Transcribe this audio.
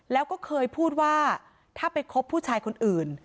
แล้วก็เคยพูดว่าถ้าไปคบผู้ชายคนอื่น